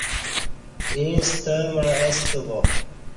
ییں ستہ مع استہ با